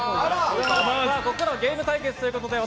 ここからはゲーム対決ということで私